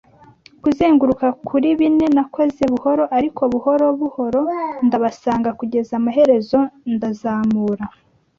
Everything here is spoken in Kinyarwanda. Kuzenguruka kuri bine, nakoze buhoro ariko buhoro buhoro ndabasanga, kugeza amaherezo, ndazamura